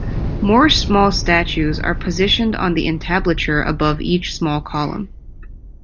More small statues are positioned on the entablature above each small column.